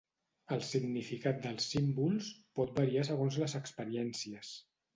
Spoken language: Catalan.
el significat dels símbols pot variar segons les experiències